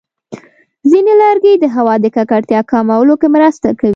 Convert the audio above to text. ځینې لرګي د هوا د ککړتیا کمولو کې مرسته کوي.